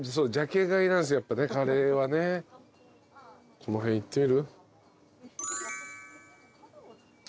この辺いってみる？